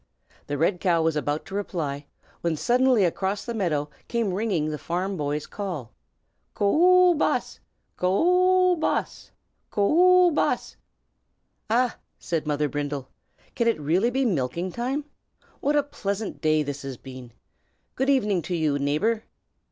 The red cow was about to reply, when suddenly across the meadow came ringing the farm boy's call, "Co, Boss! Co, Boss! Co, Boss!" "Ah!" said Mother Brindle, "can it really be milking time? What a pleasant day this has been! Good evening to you, neighbor.